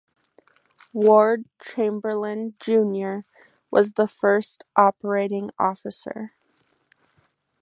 Ward Chamberlin Junior was the first operating officer.